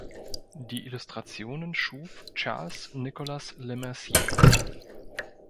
Die Illustrationen schuf Charles Nicolas Lemercier.